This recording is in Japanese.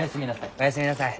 おやすみなさい。